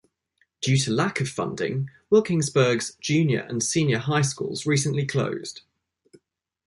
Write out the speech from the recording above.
Due to lack of funding, Wilkinsburg's Junior and Senior High schools recently closed.